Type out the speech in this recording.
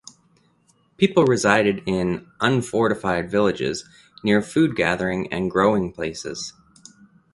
People resided in (unfortified villages) near food gathering and growing places.